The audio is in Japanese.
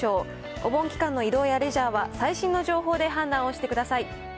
お盆期間の移動やレジャーは、最新の情報で判断をしてください。